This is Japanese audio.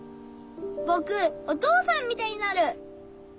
僕お父さんみたいになる！